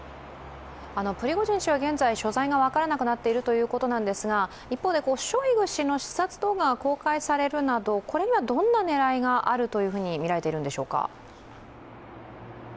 プリゴジン氏は現在、所在が分からなくなっているそうですが一方でショイグ氏の視察動画が公開されるなどこれにはどんな狙いがあるというふうにみられているんでしょうか。